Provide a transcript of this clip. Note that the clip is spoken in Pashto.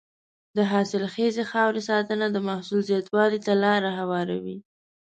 د حاصلخیزې خاورې ساتنه د محصول زیاتوالي ته لاره هواروي.